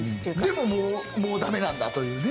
でももうもうダメなんだというね。